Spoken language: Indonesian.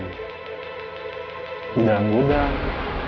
berontak saja sekuat kuatnya